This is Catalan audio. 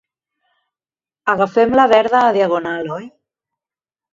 Agafem la verda a Diagonal, oi?